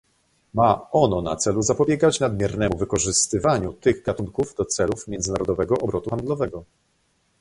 Ma ono na celu zapobiegać nadmiernemu wykorzystywaniu tych gatunków do celów międzynarodowego obrotu handlowego